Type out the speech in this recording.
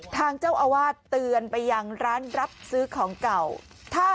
ทางเจ้าอาวาสเตือนไปยังร้านรับซื้อของเก่า